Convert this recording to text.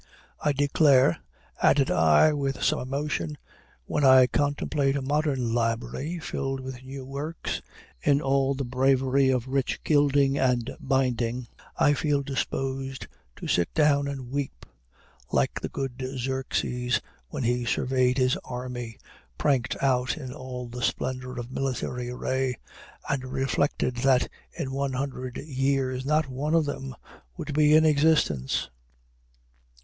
I declare," added I, with some emotion, "when I contemplate a modern library, filled with new works, in all the bravery of rich gilding and binding, I feel disposed to sit down and weep; like the good Xerxes, when he surveyed his army, pranked out in all the splendor of military array, and reflected that in one hundred years not one of them would be in existence!"